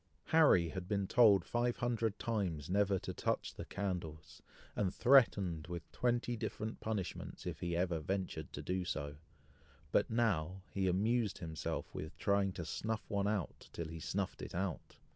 Harry had been told five hundred times, never to touch the candles, and threatened with twenty different punishments, if he ever ventured to do so; but now, he amused himself with trying to snuff one till he snuffed it out.